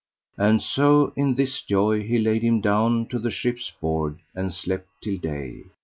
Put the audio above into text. And so in this joy he laid him down to the ship's board, and slept till day.